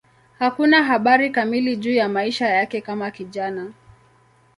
Hakuna habari kamili juu ya maisha yake kama kijana.